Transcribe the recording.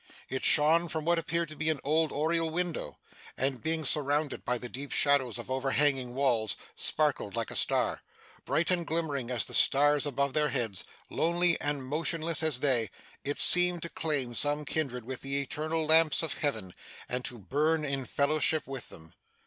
It shone from what appeared to be an old oriel window, and being surrounded by the deep shadows of overhanging walls, sparkled like a star. Bright and glimmering as the stars above their heads, lonely and motionless as they, it seemed to claim some kindred with the eternal lamps of Heaven, and to burn in fellowship with them.